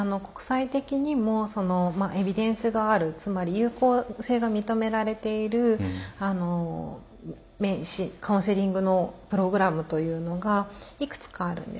国際的にもエビデンスがあるつまり有効性が認められているカウンセリングのプログラムというのがいくつかあるんですね。